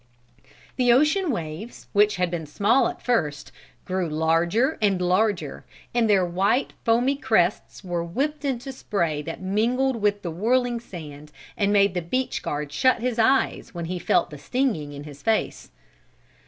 The ocean waves, which had been small at first, grew larger and larger, and their white, foamy crests were whipped into spray that mingled with the whirling sand and made the beach guard shut his eyes when he felt the stinging in his face.